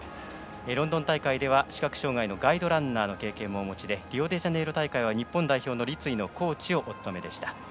ロンドン大会では視覚障がいのガイドランナーの経験もお持ちでリオデジャネイロ大会は日本代表の立位のコーチをお務めでした。